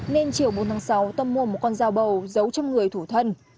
nên chiều bốn tháng sáu tâm mua một con dao bầu giấu trong người thủ thân